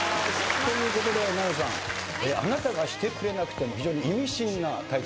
ということで奈緒さん『あなたがしてくれなくても』非常に意味深なタイトルです。